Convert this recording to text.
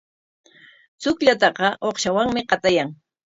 Chukllataqa uqshawanmi qatayan.